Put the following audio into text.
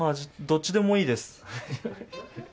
どっちでもいいです。